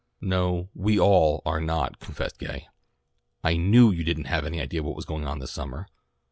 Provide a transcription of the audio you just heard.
"No, 'we all' are not," confessed Gay. "I knew you didn't have any idea of what was going on this summer.